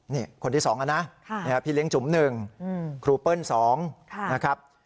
นี่คนที่๒แล้วนะพี่เลี้ยงจุ๋ม๑ครูเปิ้ล๒นะครับ